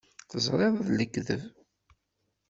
Teẓriḍ d lekdeb.